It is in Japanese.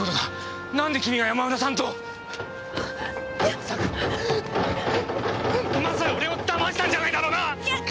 まさか俺を騙したんじゃないだろうな！？